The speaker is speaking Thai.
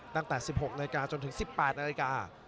ตั้งแต่๑๖นาฬิกาจนถึง๑๘นาฬิกา